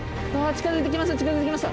近づいてきました！